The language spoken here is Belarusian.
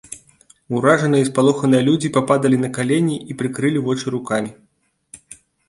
Уражаныя і спалоханыя людзі пападалі на калені і прыкрылі вочы рукамі.